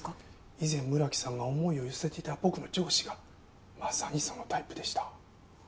以前村木さんが思いを寄せていた僕の上司がまさにそのタイプでした。